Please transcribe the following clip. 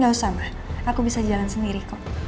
gak usah aku bisa jalan sendiri kok